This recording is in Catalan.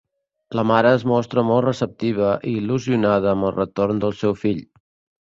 La mare es mostra molt receptiva i il·lusionada amb el retorn del seu fill.